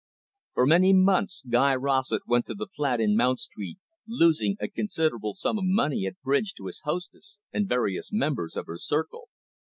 For many months, Guy Rossett went to the flat in Mount Street, losing a considerable sum of money at bridge to his hostess and various members of her circle.